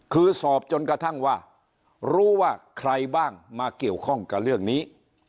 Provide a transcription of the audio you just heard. คือสอบจนกระทั่งว่ารู้ว่าใครบ้างมาเกี่ยวข้องกับเรื่องนี้